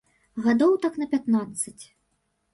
Гадоў так на пятнаццаць.